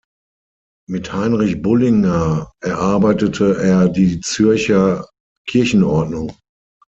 Mit Heinrich Bullinger erarbeitete er die Zürcher Kirchenordnung.